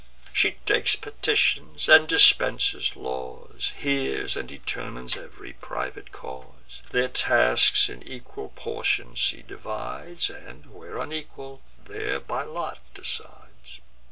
She takes petitions, and dispenses laws, Hears and determines ev'ry private cause; Their tasks in equal portions she divides, And, where unequal, there by lots decides.